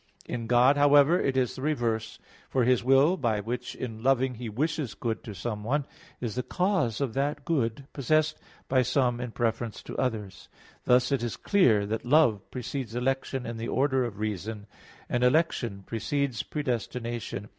In God, however, it is the reverse. For His will, by which in loving He wishes good to someone, is the cause of that good possessed by some in preference to others. Thus it is clear that love precedes election in the order of reason, and election precedes predestination.